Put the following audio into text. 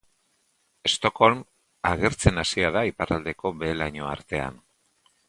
Stockholm agertzen hasia da iparraldeko behelaino artean.